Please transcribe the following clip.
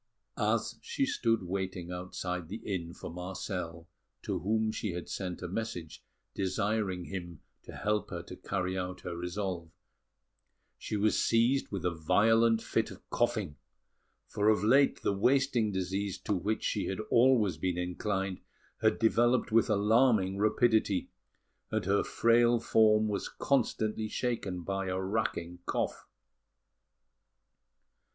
As she stood waiting outside the inn for Marcel, to whom she had sent a message desiring him to help her to carry out her resolve, she was seized with a violent fit of coughing; for of late the wasting disease to which she had always been inclined had developed with alarming rapidity, and her frail form was constantly shaken by a racking cough.